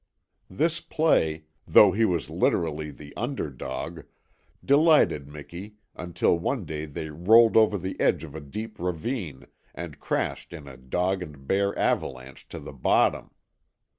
This play, though he was literally the under dog, delighted Miki until one day they rolled over the edge of a deep ravine and crashed in a dog and bear avalanche to the bottom.